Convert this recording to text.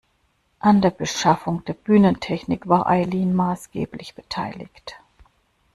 An der Beschaffung der Bühnentechnik war Eileen maßgeblich beteiligt.